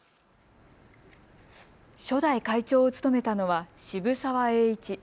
初代会長を務めたのは渋沢栄一。